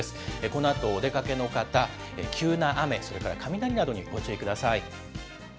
このあとお出かけの方、急な雨、それから雷などにご注意ください。